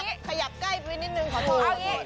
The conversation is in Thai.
เออะขยับใกล้นิดนึงขอโทษ